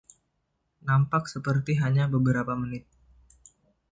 Nampak seperti hanya beberapa menit.